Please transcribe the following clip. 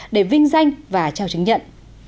để vinh danh và trao chứng nhận